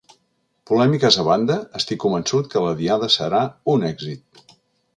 Polèmiques a banda, estic convençut que la Diada serà un èxit.